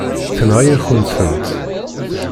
Tenɣa-yakent-tent.